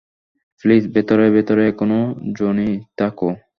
Please ভেতরে ভেতরে এখনো জনি থেকো।